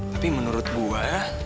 tapi menurut gue